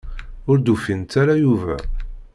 Ur d-ufint ara Yuba.